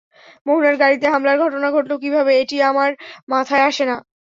মোহনার গাড়িতে হামলার ঘটনা ঘটল কীভাবে, এটি আমার মাথায় আসে না।